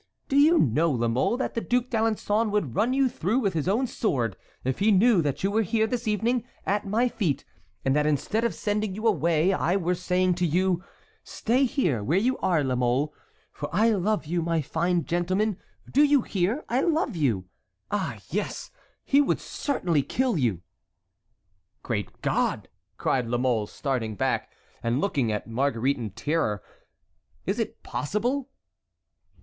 Do you know, La Mole, that the Duc d'Alençon would run you through with his own sword if he knew that you were here, this evening, at my feet, and that instead of sending you away I were saying to you: 'Stay here where you are, La Mole; for I love you, my fine gentleman, do you hear? I love you!' Ah, yes! he would certainly kill you." "Great God!" cried La Mole, starting back and looking at Marguerite in terror, "is it possible?"